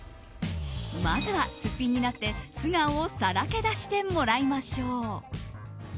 まずは、すっぴんになって素顔をさらけ出してもらいましょう。